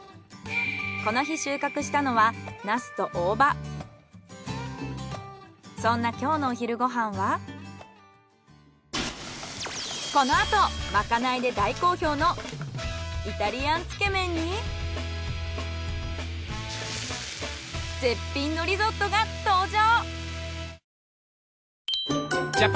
この日収穫したのはこのあとまかないで大好評のイタリアンつけ麺に絶品のリゾットが登場。